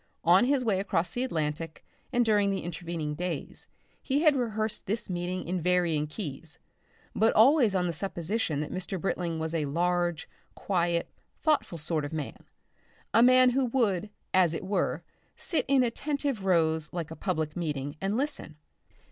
On his way across the Atlantic and during the intervening days, he had rehearsed this meeting in varying keys, but always on the supposition that Mr. Britling was a large, quiet, thoughtful sort of man, a man who would, as it were, sit in attentive rows like a public meeting and listen.